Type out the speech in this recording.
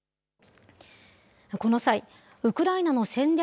この際、ウクライナの戦略